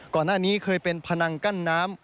ก่อนหน้านี้เคยเป็นพนังกั้นน้ำ